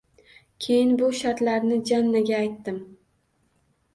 Keyin bu shartlarni Janaga aytdim